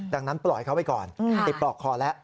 ดังนั้นปล่อยเขาไปก่อนติดปลอกคอแล้ว